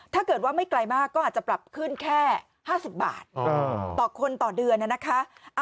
ถ้าเกิดว่าไม่ไกลมากก็อาจจะปรับขึ้นแค่๕๐บาทต่อคนต่อเดือนนะคะ